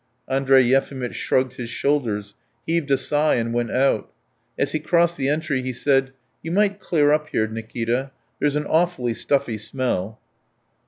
Andrey Yefimitch shrugged his shoulders, heaved a sigh, and went out. As he crossed the entry he said: "You might clear up here, Nikita ... there's an awfully stuffy smell."